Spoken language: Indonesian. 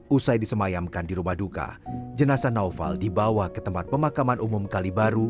usai disemayamkan di rumah duka jenazah naufal dibawa ke tempat pemakaman umum kalibaru